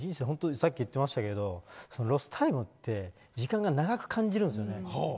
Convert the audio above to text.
さっきも言ってましたけどロスタイムって時間が長く感じるんですよね。